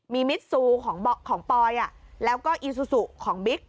มีมิดซูของปอยแล้วก็อีซูซูของบิ๊ก